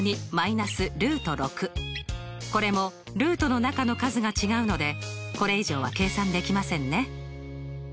これもルートの中の数が違うのでこれ以上は計算できませんね。